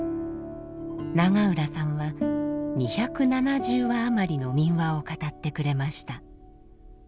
永浦さんは２７０話余りの民話を語ってくれました。